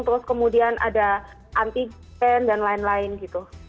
terus kemudian ada anti gen dan lain lain gitu